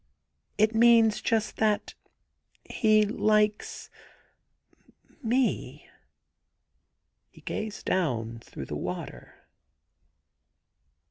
... It means just that * he likes — ^me.' He gazed down through the water.